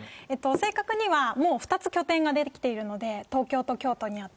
正確にはもう２つぐらい出来ているので、東京と京都にあって。